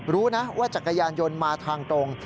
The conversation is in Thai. รู้นะว่าจักรยานยนต์มาทางตรง